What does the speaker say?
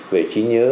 về trí nhớ